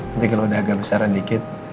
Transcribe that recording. tapi kalau udah agak besaran dikit